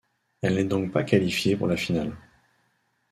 Elle n'est donc pas qualifiée pour la finale.